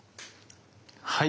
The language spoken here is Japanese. はい！